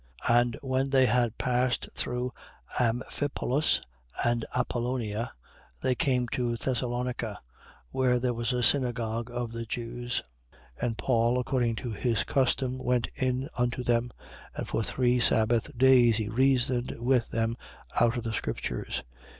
17:1. And when they had passed through Amphipolis and Apollonia, they came to Thessalonica, where there was a synagogue of the Jews. 17:2. And Paul, according to his custom, went in unto them. And for three sabbath days he reasoned with them out of the scriptures: 17:3.